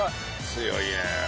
強いね。